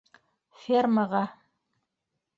Фермаға.